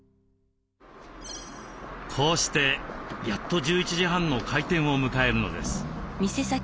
こうしてやっと１１時半の開店を迎えるのです。